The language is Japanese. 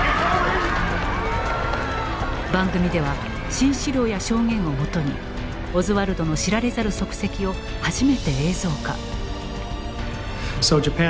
番組では新資料や証言を基にオズワルドの知られざる足跡を初めて映像化。